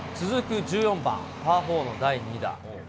続く１４番、パー４の第２打。